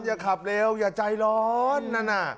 อย่าขับเร็วอย่าใจร้อนนั่นน่ะ